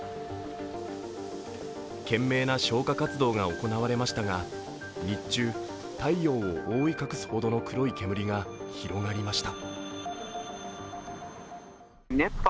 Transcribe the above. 懸命な消火活動が行われましたが日中、太陽を覆い隠すほどの黒い煙が広がりました。